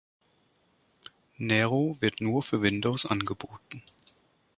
Nero wird nur für Windows angeboten.